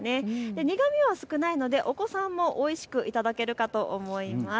苦みは少ないのでお子さんもおいしく頂けるかと思います。